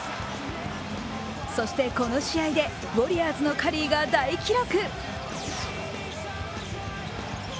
そしてこの試合で、ウォリアーズのカリーが大記録。